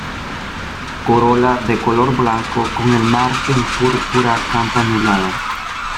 Corola de color blanco con el margen púrpura, campanulada.